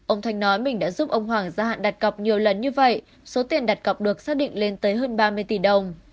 ông thanh nói mình đã giúp ông hoàng gia hạn đặt cọc nhiều lần như vậy số tiền đặt cọc được xác định lên tới hơn ba mươi tỷ đồng